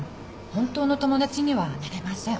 本当の友達にはなれません。